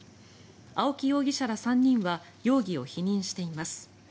青木容疑者ら３人は容疑を否認しています。